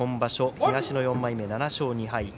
東の４枚目、７勝２敗。